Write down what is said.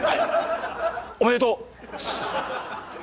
おめでとう！